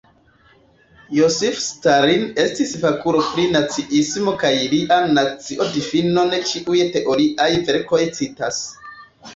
Josif Stalin estis fakulo pri naciismo kaj lian nacio-difinon ĉiuj teoriaj verkoj citas.